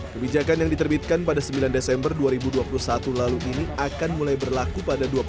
kebijakan yang diterbitkan pada sembilan desember dua ribu dua puluh satu lalu ini akan mulai berlaku pada dua puluh empat desember dua ribu dua puluh satu